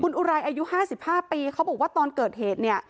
คุณอุรายอายุห้าสิบห้าปีเขาบอกว่าตอนเกิดเหตุเนี้ย